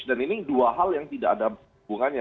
dan ini dua hal yang tidak ada hubungannya